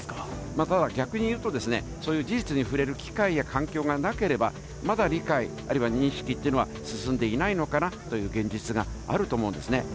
ただ、逆にいうとですね、そういう事実に触れる機会や環境がなければ、まだ理解、あるいは認識というのは進んでいないのかなという現実があると思うんですね。